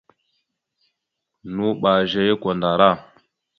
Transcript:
Nuɓa zeya kwandara.